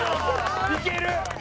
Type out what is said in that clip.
いける！